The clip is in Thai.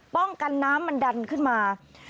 ป้องกันน้ำมันดันขึ้นมา